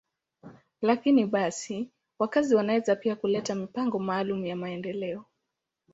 Lakini basi, wakazi wanaweza pia kuleta mipango maalum ya maendeleo.